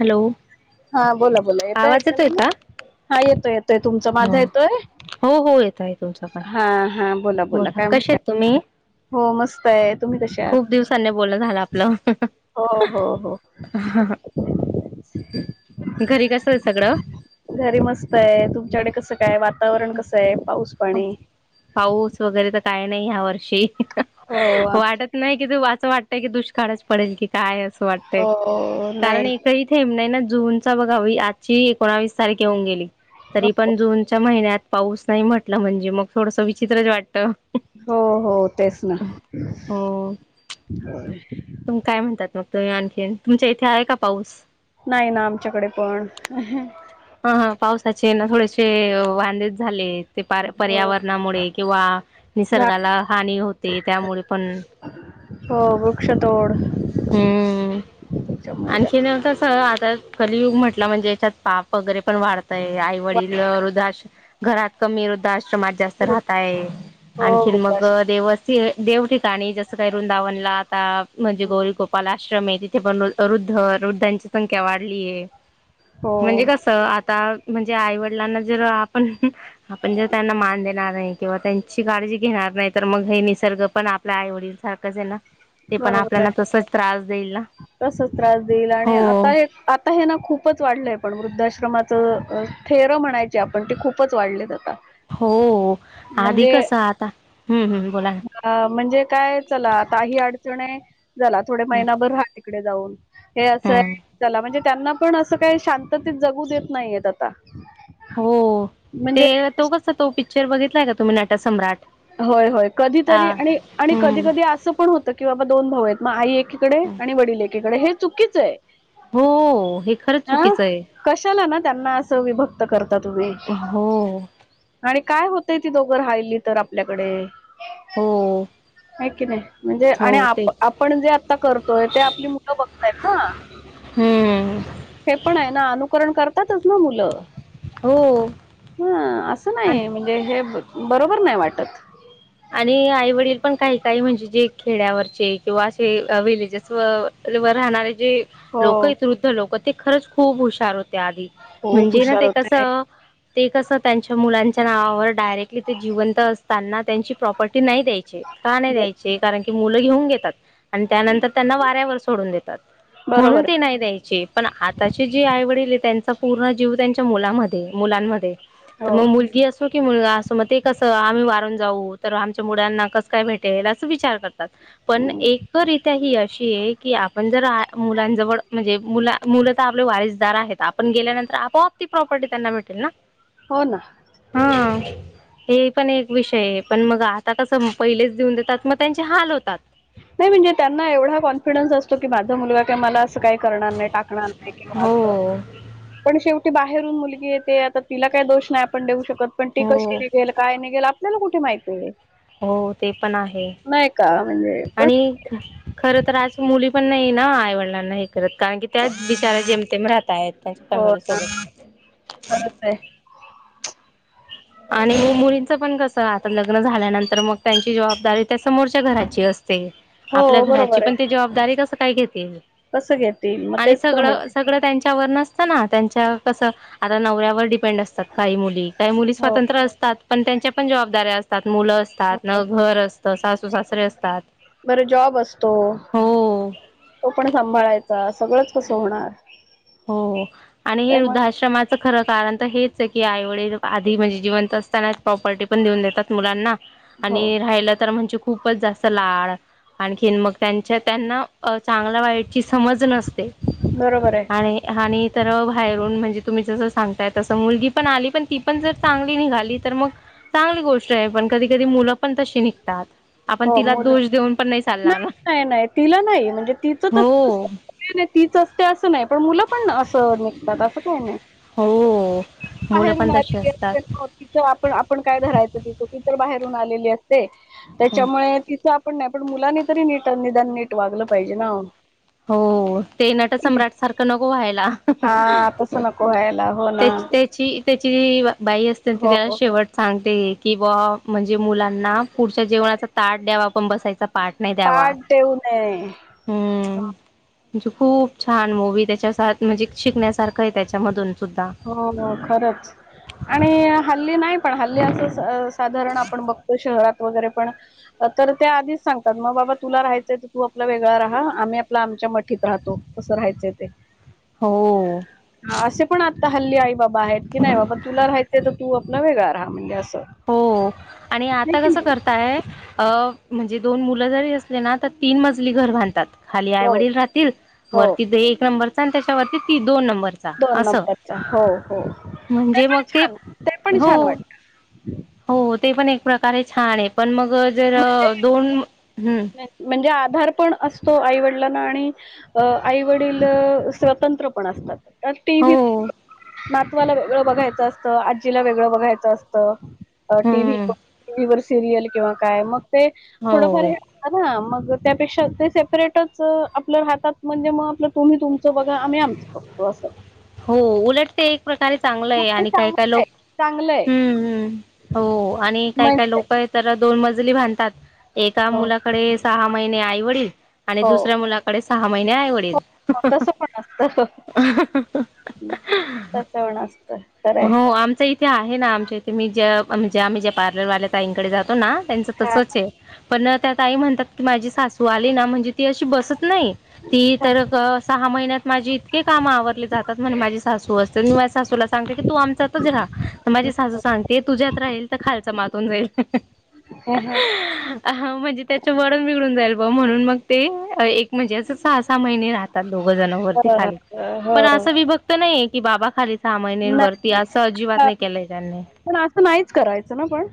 Hello. हा बोला बोला येत आवाज येतोय ऐकायला का? हा येतोय येतोय तुमच हो. माझा येतोय. हो हो येत आहे तुमचा पण हा हा बोला बोला काय कसे आहेत म्हणत तुम्ही? हो मस्त आहे. तुम्ही कशात खूप दिवसांनी बोलणं झालं आपलं हो हो हो. [unintelligible] घरी कसं सगळं घरी मस्त आहे तुमच्याकडे कस काय वातावरण कस आहे पाऊस पाणी. पाऊस वगैरे तर काय नाही ह्या वर्षी हो आमच्या वाटत नाही कि तू असं वाटत की दुष्काळच पडेल की काय असं वाटतय हो नाही कारण एकही थेंब नाही ना. जून बघा आजची एकोस तारखे होऊन गेली तरी पण जूनच्या महिन्यात पाऊस नाही म्हटला म्हणजे मग थोडस विचित्रच वाटत. हो हो तेच ना. हो तुम काय म्हणतात मग आणखीन तुमच्या इथे आहे का पाऊस नाही ना आमच्याकडे पण. चे ना थोडेसे वांदेच झाले. ते हो पर्यावरणामुळे किंवा झाड निसर्गाला हानी होते त्यामुळे पण हो. वृक्षतोड हम्म त्याच्यामुळे जा- आणखी न कस. तर कलियुग म्हटला म्हणजे याच्यात पाप वगैरे पण वाढतय आई वडील हृद घरात कमी वृद्ध आश्रमात जास्त वातावरण- राहतय हो आणखीन मग वृद्धाश्रम देव चं देव ठिक गाणी जसं काय वृंदावनला आता म्हणजे गौरी गोपाल आश्रम ये ति थ पण वृद्ध वृद्धांची संख्या वाढली ये हो म्हणजे कस आता म्हणजे आईवडिलांना जर आपण आपण जर त्यांना मान दे णार नाही किंवा त्यांची काळजी घेणार नाही तर मग हे निसर्ग पण आपल्या आई वडील सारखंच ये ना ते पण बरोबर आहे आपल्याना तसच त्रास देईल ना? तसच त्रास देईल आणि हो आता हे आता हे ना खूपच वाढलंय पण वृद्धाश्र श्रमाच थेर म्हणायची आपण ती खूपच वाढलेत आता हो आधी म्हणजे कसं आता हम्म हम्म बोला ना अ म्हणजे काय? चला आता ही अडचण आहे झाला थोडे हम्म महिनाभर राहा तिकडे जाऊन. हे असं हम्म चला म्हणजे त्यांना पण असं काही शांततेत जगू देत नाहीयेत आता हो म्हणजे ते तो कसा तो पिक्चर बघितलाय का तुम्ही नट होय होय कधीतरी आणि आणि कधी कधी हम्म असं पण होतं की बाबा दोन भाऊ आहेत म आई एक एकीकडे आणि वडील एकीकडे हे चुकीचय. हो हे खरंच अ चुकीचं आहे कशाला ना त्यांना अस विभक् क्त करता तुम्ही हो आणि काय होतंय ती दोघं राहिली तर आपल्याकडे हो हाय की नाय म्हणजे आणि हो आप तेच आपण जे आता करतोय ते आपली मुलं बघताय ना. हम्म हे पण आहे ना अनु करण करतातच ना मुलं हो ह असं नाही म्हणजे हे ब बरोबर नाय वाटत आणि आईवडील पण काही काही म्हणजे जे खेड्यावरचे किंवा असे विलेजेस व व राहणारे जे हो लोक यत वृद्ध लोक ते खरंच खूप हुशार होत्या आधी खूप म्हणजे ना हुशार ते होते कसं ते कस त्यांच्या मुलांच्या नावावर डायरेक्टली ते जिवंत असताना त्यांची प्रॉपर्टी नाही द्यायची का नाही द्यायचे कारण की मुलं घेऊन घेतात. आणि त्यानंतर त्यांना वाऱ्यावर सोडून देतात. म्हणून बरोबर ते आहे नाही द्यायचे पण आताचे जे आईवडील ये त्यांचं पूर्ण जीव त्यांच्या मुलामध्ये, मुलांमध्ये त हो मग मुलगी असो की मुलगा असं मग ते कसं आम्ही वारून जाऊ तर आमच्या मुडांना कस काय भेटेल अस विचार करतात. पण एकरीत्या ही अशी आहे की आपण जर मुलांजवळ म्हणजे मु मुलं तर आपले वारसदार आहेत आपण गेल्यानंतर आपोआप ती प्रो पटी त्यांना भेटेल ना हो ना. हा. हे पण एक विषय आहे पण मग आता कसं पहिलेच देऊन देतात मग त्यांचे हाल होतात. नाय म्हणजे त्यांना एवढा कॉन्फिडन्स असतो की माझा मुलगा काय मला अस काय करणार नाही टाकणार नाही की अस हो. पण शेव बाहेरून मुलगी येते. आता तिला काय दोष नाही. आपण देऊ शकत पण ती कशी हो निघेल काय निघेल आपल्याला कु माहित ये. हो ते पण आहे. म्हणजे पण आणि खर तर आज मुली पण नाही ना आईवडिलांना हे करत कारण की त्याच बिचारा जेमतेम राहतायत त्यांच्या फॅमिली सोबत खरच आहे. आणि मुलींचं पण कस आता लग्न झाल्यानंतर मग त्यांची जबाबदारी त्या समोरच्या घराची अस ते हो आपल्या घराची बरोबर पण ते आहे जबाबदारी कस काय घेत ते कसं घेतील मग आणि तेच तर सगळ म्हणते सगळ त्यांच् त्यांच्यावर नसतं ना त्याच्या कस आता नवऱ्यावर डिपेंड असतात काही मुली काही मुली स्वतः हो असतात पण त्यांच्या पण जबाबदाऱ्या असतात. मुलं असतात. हो न घर असत सासू सासरे असतात. बरं जॉब असतो. हो तो पण सांभाळायचा सगळंच कसं होणार? हो आणि हे त्यामुळे वृद्धाश्रमाच खरं कारण, तर हेच आहे की आई, वडील आधी म्हणजे, जिवंत असतानाच प्रॉपर्टी पण देऊन देतात मुलांना. हो आणि राहिला तर म्हणजे, खूपच जास्त लाड आणखीन मग, त्यांच्या त्यांना चांगल्या वाईटची समज नसते. बरोबर आहे आणि आणि तर बाहेरून म्हणजे, तुम्ही जस सांगताय तसं मुलगी पण आली. पण ती पण जर चांगली निघाली तर मग चांगली गोष्ट आहे. पण कधी कधी मुलं पण तशी निघतात. आपण हो तिला मुलं दोष देऊन, पण नाही नाही चालणार ना नाही नाही तिला नाही म्हणजे, तिचं हो तसं असते असं नाही. पण मुलं पण असं निघतात, असं काही नाही. हो. मुलं बाहेरून पण तशी आलेली असते. असतात तिथ आपण आपण काय? धरायचं तिथं ती तर बाहेर [unintelligible] आलेली असते. त्याच्यामुळे तिचं आपण पण मुलांनी तरी नीट निदान नीट वागलं पाहिजे ना. हो, ते नट सम्राट सारखं नको व्हायला. हा तस नको व्हायला हो, त्या ना. त्याची त्याची ज बाई असते, न हो त्याला शेवट सांगते, कि [unintelligible] म्हणजे मुला ना पुढच्या जेवणाचा ताट द्यावा, पण बसायचा पाठ नाही द्यावा. पाठ हम्म [unintelligible] म्हणजे, खूप छान! मूवी त्याच्या [unintelligible] म्हणजे शिकण्यासारखं आहे. त्यांच्यामधून. हो, ग खरंच! आणि हल्ली नाही पण हल्ली असं साधारण आपण बघतो शहरात वगैरे पण तर त्या आधीच सांगतात. मग बाबा तुला राहायचंय, तर तू आपला वेगळा राहा आम्ही आपला च्या [unintelligible] राहतो कसं राहायचंय ते. हो. ता हल्ली आई, बाबा आहेत, की नाही बाबा. तुला राहायचे, तर तू आपला वेगळा राहा म्हणजे हो, आणि नाही आता की कसं नाही करताय अ म्हणजे दोन मुलं जरी असले ना, तर तीन मजली घर बांधतात. खाली आई, हो वडील राहतील. हो वरती [unintelligible] एक नंबरचा आणि त्याच्यावरती ती दोन नंबर दोन असं नंबरचा हो हो म्हणजे, मग पण ते छान ते पण हो. छान वाटत हो ते पण एक प्रकारे छान! आहे. पण मग जर म्हणजे दोन म्हणजे आधार पण असतो, आई वडिलांना आणि आई वडील स्वतंत्र पण आसतात. टिव्ही हो नातवाला वेगळं बघायचं असतं. आजीला वेगळं बघायचं असतं. टीव्ही हम्म टीव्ही वर सिरियल किंवा काय? मग ते थोडंफार हो हे असतं मग त्यापेक्षा ते सेपरेटच आपल्या हातात म्हणजे, मग आप तुम्ही तुमचं बघा आम्ही [unintelligible] हो उलट ते एक प्रकारे मग चांगलंय. ते आणि काही काही चांगलं आहे लोक चांगलं आहे हम्म! हो. आणि काही- काही म्हणजे लोक आहेत तर, दोन मजली बांधतात. एका हो मुलाकडे सहा महिने आई-वडील, आणि हो दुसऱ्या मुलाकडे सहा महिने आई-वडील. [unintelligible] खरंय हो, आमचं इथे आहे, ना? आमच्या इथे मी ज्या ज्या आम्ही ज्या, पार्लरवाल्या ताईंकडे जातो ना, त्यांचं हा तसंच आहे, पण त्या ताई म्हणतात माझी सासू आली ना म्हणजे, ती अशी बस नाही ती, हा तर [unintelligible] सहा महिन्यात माझे इतके काम आवरली जातात माझ्या सासूला [unintelligible] तु आमच्यातच रहा माझी सासू सांगते. तुझ्यात राहिल. खालचं मागून [unintelligible] [unintelligible] हो म्हणजे त्याच्या वरुन [unintelligible] म्हणून म ते एक म्हणजे असं सहा, सहा [unintelligible] राहतात. दोघजण वरती, झाली, हो पण असं विभक्त नाहीये, कि बाबा खाली [unintelligible] नाही पण असं नाहीच करायचं ना पण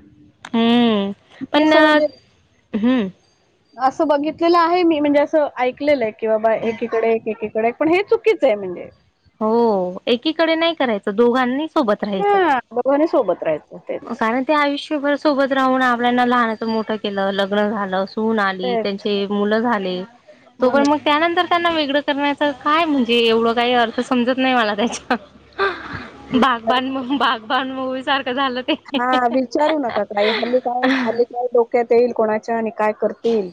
हम्म. पण असं म्हणजे हम्म असं बघितलेलं आहे मी, म्हणजे असं ऐकलेलं आहे, की बाबा एकीकडे, एक, एकीकडे. [unintelligible] हे चुकिच आहे म्हणजे हो, एकीकडे नाही करायचं. दोघांनीच सोबत राहायच हा दोघांनी सोबत राहायचं तेच [inaudible] कारण ते आयुष्यभर सोबत राहून आपल्याला लहानाच मोठ केलं, लग्न झालं, सून आली, तेच त्यांचे मुलं झाले. तो हो पण, मग ना त्यानंतर त्यांना वेगळं करण्याचं काय, म्हणजे एवढं काही अर्थ समजत नाही मला काहीच [unintelligible] हं विचारू नका काही खाली काय, हाली काय, डोक्यात जाईल कोणाच्या काय करतील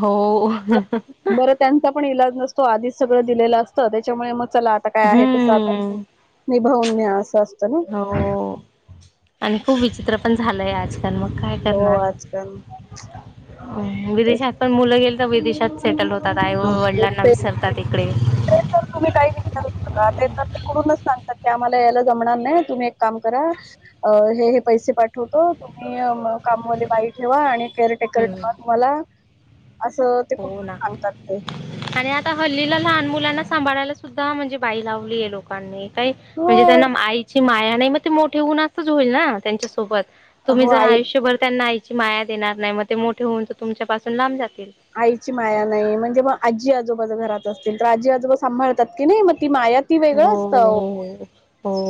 हो [inaudible] बर त्यांचा पण विलाज नसतो तो आधीच सगळं दिलेलं असंत, त्याच्यामुळे मग चला, आता काय, आहे तस आता हम्म निभावून न्या, असं असत ना? हो आणि खूप विचित्र पण झालंय आजकाल. मग काय हो करणार? आजकाल तेच विदेशात पण मुलं गेली, तर विदेशात सेटल होतात. आई व वडिलांना ते विसरता ते. ते तर [unintelligible] तुम्ही काही विचारूच नका. ते तर तिकडूनच सांगतात की आम्हाला यायला जमणार नाही. तुम्ही एक काम करा अ, हे, हे पैसे पाठवतो. तुम्ही कामावाली बाई ठेवा, आणि केअर-टेकर हम्म टेवा तुम्हाला असं ते हो कुठून ना, सांगतात ते आणि आता हल्लीला लहान मुलांना सांभायला सुद्धा म्हणजे बाई लावली आहे. लोकांनी काही हो म्हणजे त्यांना आईची माया नाही मग ते मोठे होवून असच होईल ना? त्याच्या सोबत तुम्ही अहो जर आई आयुष्यभर त्यांना आईची चि माया देणार नाही मग, ते मोठे होवून तर तुमच्या पासून लांब जातील आईची माया नाही. म्हणजे म. आजी- आजोबा जर घरात असतील, तर आजी आजोबा सांभाळतात की नाही? म. ती माया, ती वेगळं हो असतं अहो! हो हो.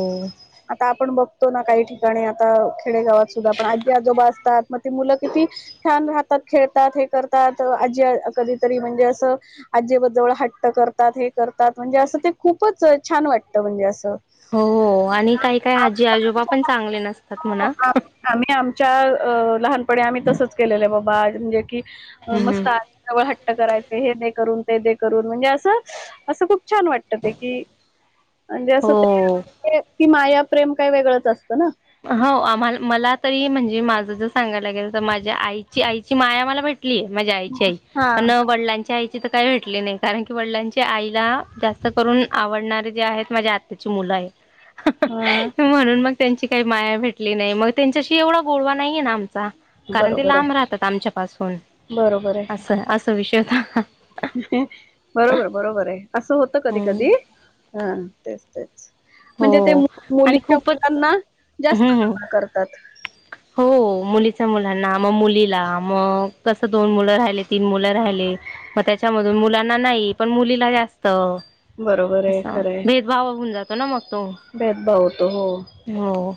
आता आपण बघतो ना, काही ठिकाणी, आता खेडेगावात सुद्धा पण, आजी-आजोबा असतात म ते मुलं किती छान राहतात, खेळतात, हे करतात, आजी कधीतरी म्हणजे, असं आजी- आजोबां जवळ हट्ट करतात, हे करतात, म्हणजे असं, ते खूपच छान वाटतं म्हणजे असं हो, आणि काही- काही आजी- आजोबा पण, चांगले नसतात. म्हणा. च्या लहानपणी आम्ही तसच केलेल बाबा दे कि हम्म मस्त आजी जवळ हट्ट करायच हे दे करून ते दे करून म्हणजे अस खूप छान वाटत ते, कि म्हणजे, असं हो ते ती माया- प्रेम काही वेगळंच असतं, न? हो आम मला तरी म्हणजे माज जस सांगायला गेल तर माझ्या आईची- आईची माय आम्ह कि माझ्या आईची आई हा पण वडलांच्या आईची तर काही भेटली नाही कारण की वडिलांची आईला जास्त करून आवडणारे जे आहेत माझ्या आत्त्याची मुलं नाहीय, हा, त्यांची काही माया भेटली नाही मग त्यांच्याशी एवढा गोडवा नाही आहेे ना कारण ते बरोबर लांब आहे राहतात आमच्या पाासून असं अस विषयता बरोबर-बरोबर आहे असं होत हम्म. कधी-कधी हा तेच तेच म्हणजे ते हो आणि मुलीच्या खूपच मुलांना जास्त हम्म जमा करतात हो मुली, [unintelligible] मुलांना नाही पण मुलीला जास्त बरोबर अस आहे खरंय भेदभाव होऊन जातो ना मग भेदभाव होतो हो हो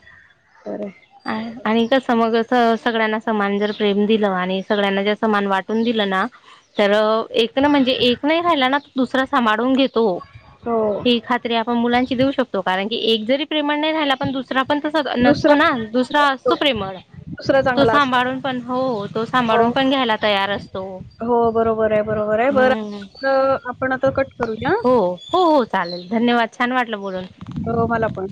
खरे आणि का समग स सगळ्यांना समान जर प्रेम दिलं आणि सगळ्यांना जर समान वाटून दिलं ना तर एक ना म्हणजे एक नाही खायला ना तो दुसरा सांभाळून घेतो हो ही खात्री आपण मुलांची देऊ शकतो कारण की एक जरी प्रेमाण नाही राला आपण दुस दुसरा पण तसा सतो दुसरा ना दुसरा असतो प्रेमळ. दुसरा तो चांगला असतो सांभाळून पण हो तो हो सांभाळून पण घ्यायला तयार असतो. हो बरोबर बर हम्म. आपणच. हो हो हो चालेल धन्यवाद. छान वाटलं बोलून. हो मला पण